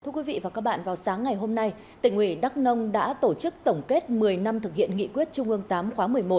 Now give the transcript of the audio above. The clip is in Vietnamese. thưa quý vị và các bạn vào sáng ngày hôm nay tỉnh ủy đắk nông đã tổ chức tổng kết một mươi năm thực hiện nghị quyết trung ương viii khóa một mươi một